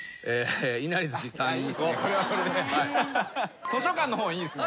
「いなりずし３個」「図書館の本」いいですね。